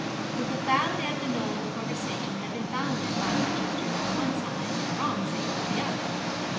With the family at The Knoll conversation had been bounded by Winchester on one side, and Romsey on the other.